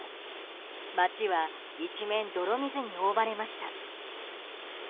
町は一面、泥水に覆われました。